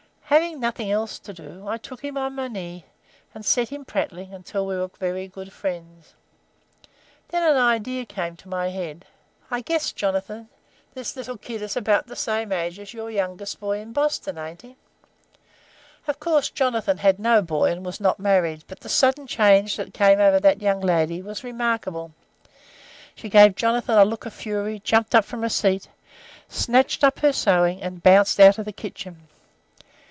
Having nothing else to do, I took him on my knee, and set him prattling until we were very good friends. Then an idea came into my head. I said: "'I guess, Jonathan, this little kid is about the same age as your youngest boy in Boston, ain't he?' "Of course, Jonathan had no boy and was not married, but the sudden change that came over that young lady was remarkable. She gave Jonathan a look of fury, jumped up from her seat, snatched up her sewing, and bounced out of the kitchen.